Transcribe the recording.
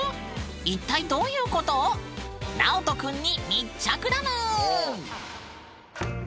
一体どういうこと⁉なおとくんに密着だぬーん！